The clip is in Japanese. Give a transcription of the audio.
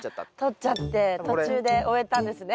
とっちゃって途中で終えたんですね。